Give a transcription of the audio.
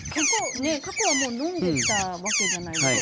過去も飲んでたわけじゃないですか。